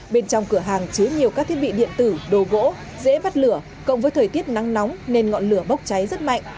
bên trong cửa hàng chứa nhiều các thiết bị điện tử đồ gỗ dễ bắt lửa cộng với thời tiết nắng nóng nên ngọn lửa bốc cháy rất mạnh